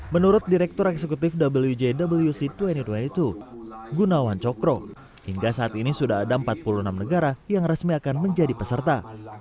menurut direktur eksekutif wjwc dua ribu dua puluh dua gunawan cokro hingga saat ini sudah ada empat puluh enam negara yang resmi akan menjadi peserta